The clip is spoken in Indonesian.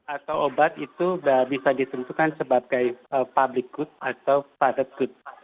atau obat itu bisa ditentukan sebagai public good atau padat good